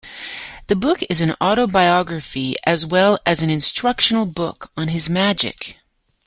The book is an autobiography as well as an instructional book on his magic.